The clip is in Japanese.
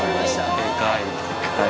デカい。